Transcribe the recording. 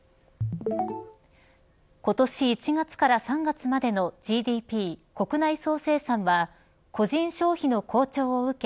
今年１月から３月までのＧＤＰ国内総生産は個人消費の好調を受け